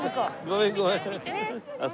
ごめんごめん。